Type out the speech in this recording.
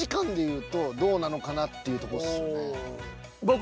ただっていうところですよね。